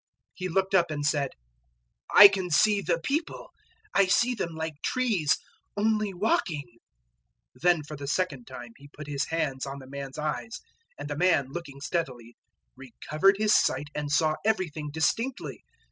008:024 He looked up and said, "I can see the people: I see them like trees only walking." 008:025 Then for the second time He put His hands on the man's eyes, and the man, looking steadily, recovered his sight and saw everything distinctly.